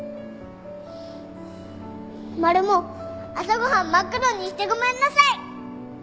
マルモ朝ご飯真っ黒にしてごめんなさい。